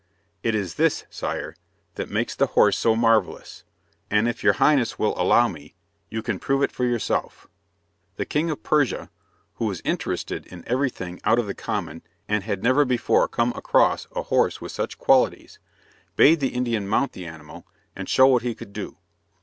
It is this, Sire, that makes the horse so marvellous, and if your Highness will allow me, you can prove it for yourself." The King of Persia, who was interested in every thing out of the common, and had never before come across a horse with such qualities, bade the Indian mount the animal, and show what he could do.